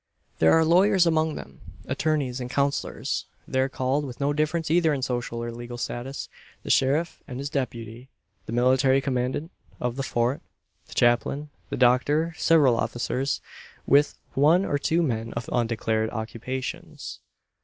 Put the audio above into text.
There are lawyers among them attorneys, and counsellors, there called with no difference either in social or legal status; the sheriff and his "deputy"; the military commandant of the fort; the chaplain; the doctor; several officers; with one or two men of undeclared occupations.